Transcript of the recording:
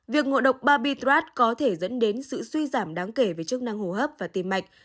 việc ngộ độc babitras có thể dẫn đến sự suy giảm đáng kể về chức năng hồ hấp và tim mạch